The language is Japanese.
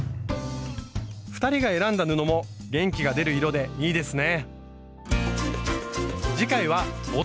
２人が選んだ布も元気が出る色でいいですね！